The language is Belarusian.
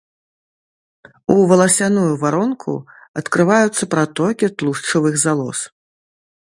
У валасяную варонку адкрываюцца пратокі тлушчавых залоз.